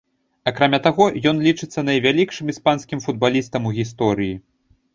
Акрамя таго, ён лічыцца найвялікшым іспанскім футбалістам у гісторыі.